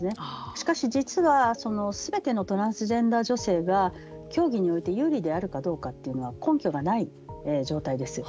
しかし、実はすべてのトランスジェンダー女性が競技において有利であるかどうかというのは根拠がない状態です。